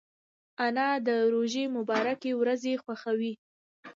انا د روژې مبارکې ورځې خوښوي